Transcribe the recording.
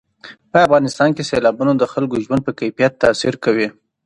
په افغانستان کې سیلابونه د خلکو د ژوند په کیفیت تاثیر کوي.